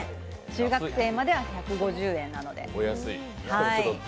中学生までは１５０円なので。